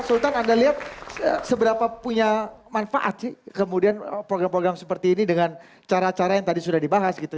sultan anda lihat seberapa punya manfaat sih kemudian program program seperti ini dengan cara cara yang tadi sudah dibahas gitu